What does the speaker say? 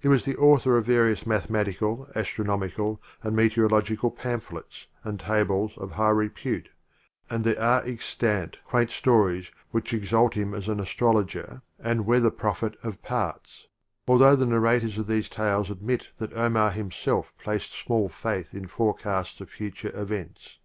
He was the author of various mathematical, astronomical and meteoro logical pamphlets and tables of high repute, and there are extant quaint stories which exalt him as an astrologer and weather prophet of parts, although the narrators of these tales admit that Omar himself placed small faith in forecasts of future events.